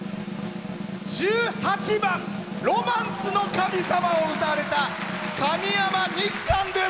１８番「ロマンスの神様」を歌われた、かみやまさんです。